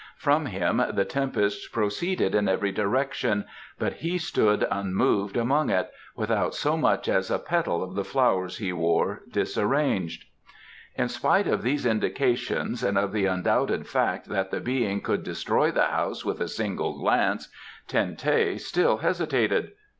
From him the tempest proceeded in every direction, but he stood unmoved among it, without so much as a petal of the flowers he wore disarranged. In spite of these indications, and of the undoubted fact that the Being could destroy the house with a single glance, Ten teh still hesitated.